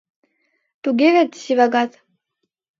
Туге вет, Сивагат?